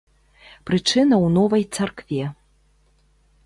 Прычына ў новай царкве.